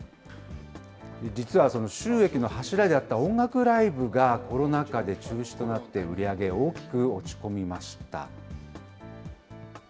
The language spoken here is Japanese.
実は収益の柱であった音楽ライブが、コロナ禍で中止となって、売り上げ、大きく落ち込みました。